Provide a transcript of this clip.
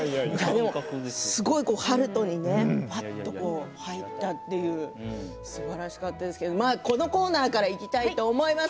すごくね悠人に入ったというねすばらしかったですけどこのコーナーからいきたいと思います。